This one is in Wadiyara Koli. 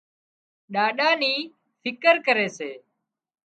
ڏاڏا نِي فڪر ڪري سي